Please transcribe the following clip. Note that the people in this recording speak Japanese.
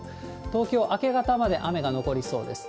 東京、明け方まで雨が残りそうです。